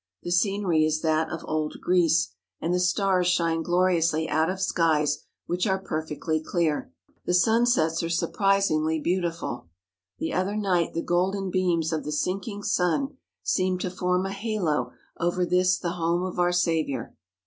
The scenery is that of old Greece, and the stars shine gloriously out of skies which are perfectly clear. The sunsets are surpassingly beautiful. The other night the golden beams of the sinking sun seemed to form a halo over this the home of our Saviour.